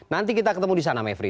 nanti kita ketemu di sana mevri